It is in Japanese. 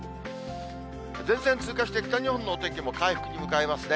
前線通過して、北日本のお天気も回復に向かいますね。